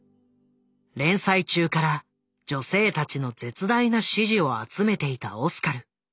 連載中から女性たちの絶大な支持を集めていたオスカル。